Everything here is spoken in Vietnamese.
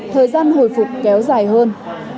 thời gian hồi phục kéo dài hơn